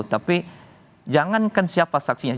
tapi jangan kan siapa saksinya